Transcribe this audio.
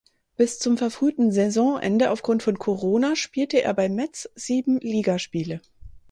Bis zum verfrühten Saisonende aufgrund von Corona spielte er bei Metz sieben Ligaspiele.